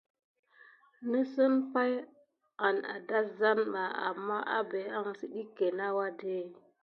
Nǝsen paï ah dazan ɓa, ammah ebé ahǝn sidike nah wade.